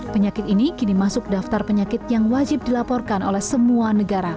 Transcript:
penyakit ini kini masuk daftar penyakit yang wajib dilaporkan oleh semua negara